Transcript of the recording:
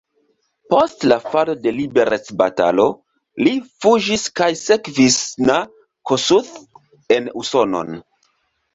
Post la falo de liberecbatalo li fuĝis kaj sekvis na Kossuth en Usonon.